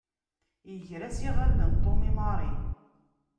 Yegra-s iɣallen Tom i Mary.